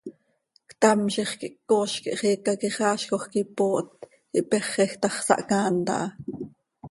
Ctam ziix quih ccooz quih xiica quixaazjoj quih ipooht, ipexej ta x, sahcaant aha.